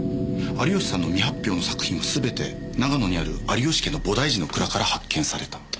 有吉さんの未発表の作品は全て長野にある有吉家の菩提寺の蔵から発見された。